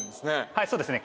はいそうですね。